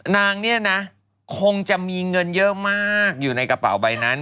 นางเนี่ยนะคงจะมีเงินเยอะมากอยู่ในกระเป๋าใบนั้น